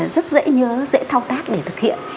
rất dễ nhớ dễ thao tác để thực hiện